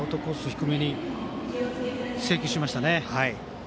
低めに制球しましたね。